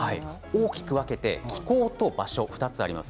大きく分けて気候と場所、２つあります。